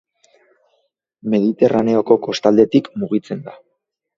Mediterraneoko kostaldetik mugitzen da.